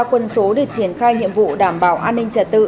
quân số để triển khai nhiệm vụ đảm bảo an ninh trả tự